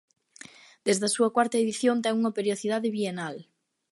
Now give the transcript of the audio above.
Desde a súa cuarta edición ten unha periodicidade bienal.